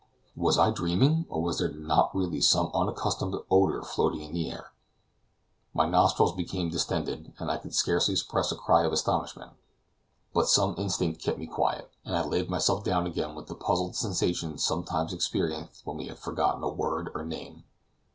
Was I dreaming, or was there not really some unaccustomed odor floating in the air? My nostrils became distended, and I could scarcely suppress a cry of astonishment; but some instinct kept me quiet, and I laid myself down again with the puzzled sensation sometimes experienced when we have forgotten a word or name.